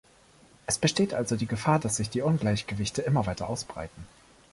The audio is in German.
Es besteht also die Gefahr, dass sich die Ungleichgewichte immer weiter ausbreiten.